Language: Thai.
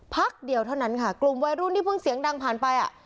พักเดียวเท่านั้นค่ะกลุ่มวัยรุ่นที่เพิ่งเสียงดังผ่านไปอ่ะ